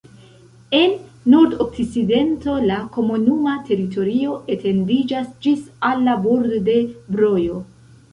En nordokcidento la komunuma teritorio etendiĝas ĝis al la bordo de Brojo.